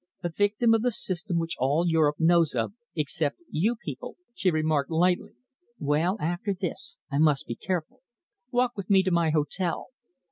"A victim of the system which all Europe knows of except you people," she remarked lightly. "Well, after this I must be careful. Walk with me to my hotel."